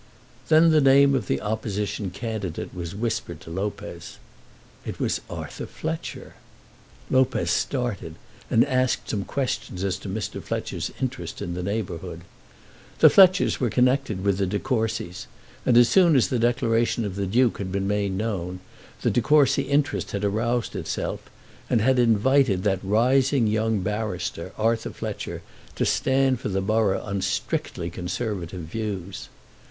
Then the name of the opposition candidate was whispered to Lopez. It was Arthur Fletcher! Lopez started, and asked some questions as to Mr. Fletcher's interest in the neighbourhood. The Fletchers were connected with the De Courcys, and as soon as the declaration of the Duke had been made known, the De Courcy interest had aroused itself, and had invited that rising young barrister, Arthur Fletcher, to stand for the borough on strictly conservative views.